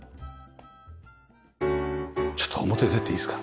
ちょっと表出ていいですか？